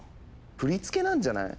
振り付けなんじゃない？